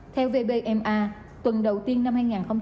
theo vbma tuần đầu tiên năm hai nghìn hai mươi